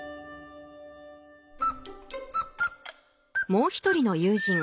もう一人の友人Ｃ君。